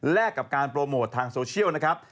กับการโปรโมททางโซเชียลนะครับ